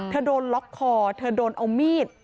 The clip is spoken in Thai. โดนล็อกคอเธอโดนเอามีด